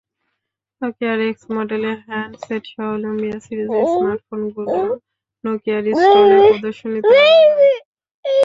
নকিয়ার X মডেলের হ্যান্ডসেটসহ Lumia সিরিজের স্মার্টফোনগুলোও নকিয়ার স্টলে প্রদর্শনীতে আনা হয়।